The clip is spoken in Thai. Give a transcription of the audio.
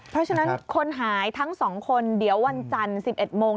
เพราะฉะนั้นคนหายทั้ง๒คนเดี๋ยววันจันทร์๑๑โมง